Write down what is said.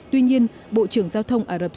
tuy nhiên bộ trưởng giao thông ả rập